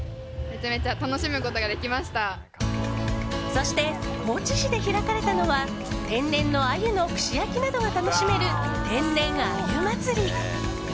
そして高知市で開かれたのは天然のアユの串焼きなどが楽しめる天然あゆまつり。